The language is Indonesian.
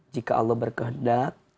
jika allah berkehendak